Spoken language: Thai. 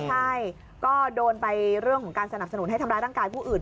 ใช่ก็โดนไปเรื่องของการสนับสนุนให้ทำร้ายร่างกายผู้อื่น